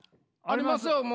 ありますよ。